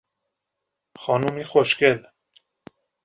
خانمی خوشگل